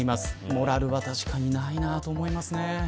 モラルは確かにないなと思いますね。